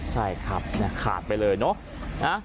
ใช่ครับขาดไปเลยเนาะ